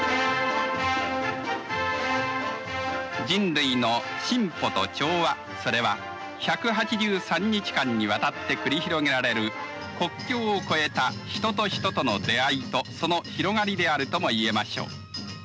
人類の進歩と調和それは１８３日間にわたって繰り広げられる国境を超えた人と人との出会いとその広がりであるとも言えましょう。